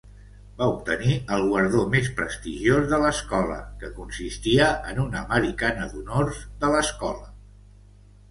Va obtenir el guardó més prestigiós de l'escola que consistia en una americana d'honors de l'escola.